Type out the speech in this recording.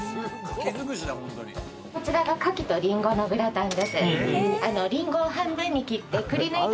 こちらがかきと林檎のグラタンです。